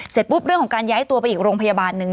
เสร็จปุ๊บเรื่องของการย้ายตัวไปอีกโรงพยาบาลหนึ่ง